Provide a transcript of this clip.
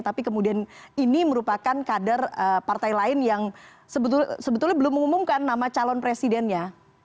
tapi kemudian ini merupakan kader partai lain yang sebetulnya belum mengumumkan nama calon presidennya